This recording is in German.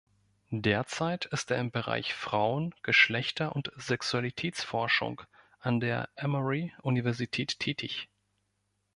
Derzeit ist er im Bereich Frauen-, Geschlechter- und Sexualitätsforschung an der Emory Universität tätig.